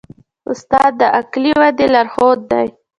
استاد د عقلي ودې لارښود دی.